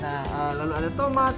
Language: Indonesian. nah lalu ada tomat